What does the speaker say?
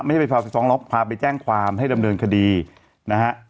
ให้ไปพาไปฟ้องร้องพาไปแจ้งความให้ดำเนินคดีนะฮะ